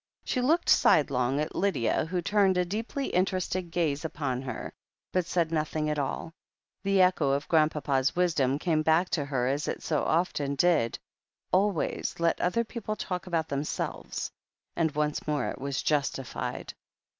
She looked sidelong at Lydia, who turned a deeply interested gaze upon her, but said nothing at all. The echo of Grrandpapa's wisdom came back to her, as it so often did : "Always let the other people talk about themselves." And once more it was justified.